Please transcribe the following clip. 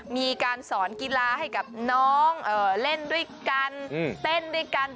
มีการสอนกีฬาให้กับน้องเล่นด้วยกันเต้นด้วยกัน